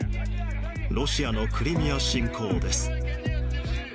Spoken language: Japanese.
ロシアのクリミア侵攻です。